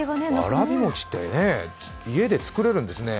わらび餅って家で作れるんですね。